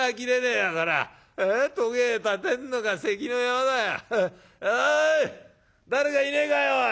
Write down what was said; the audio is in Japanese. おい誰かいねえかよ？